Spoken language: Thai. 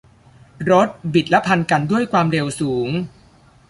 รถบิดและพันกันด้วยความเร็วสูง